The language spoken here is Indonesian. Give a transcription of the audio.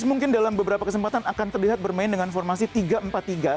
mungkin dalam beberapa kesempatan akan terlihat bermain dengan formasi tiga empat tiga